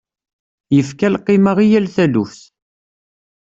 Yefka lqima i yal taluft.